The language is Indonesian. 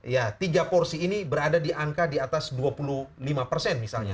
ya tiga porsi ini berada di angka di atas dua puluh lima persen misalnya